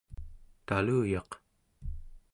taluyaq